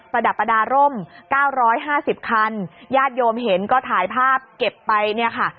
ประดับประดาร่ม๙๕๐คันญาติโยมเห็นก็ถ่ายภาพเก็บไปเนี่ยค่ะ